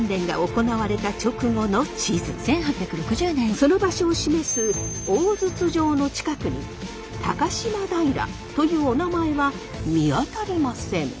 その場所を示す大筒場の近くに高島平というおなまえは見当たりません。